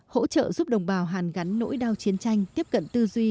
hỗ trợ giúp đồng bào hàn gắn nỗi đau chiến tranh tiếp cận tư duy